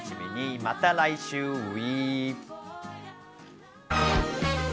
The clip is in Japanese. また来週、ＷＥ。